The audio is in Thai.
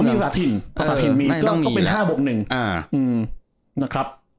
ภาษาพินธรรมก็เป็น๕บก๑